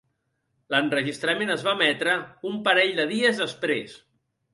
L'enregistrament es va emetre un parell de dies després.